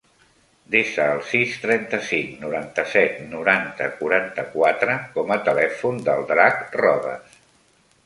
Desa el sis, trenta-cinc, noranta-set, noranta, quaranta-quatre com a telèfon del Drac Rodes.